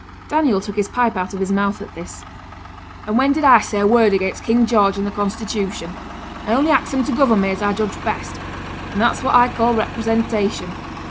Daniel took his pipe out of his mouth at this. 'And when did I say a word again King George and the Constitution? I only ax 'em to govern me as I judge best, and that's what I call representation.